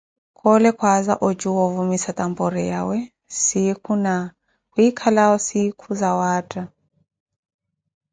Khoole khwaaza ocuwa ovumisa tampori yawe siikhu na khwikhalawo sinkhu zawaatta.